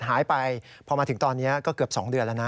หายไปพอมาถึงตอนนี้ก็เกือบ๒เดือนแล้วนะ